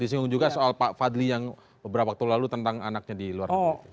disinggung juga soal pak fadli yang beberapa waktu lalu tentang anaknya di luar negeri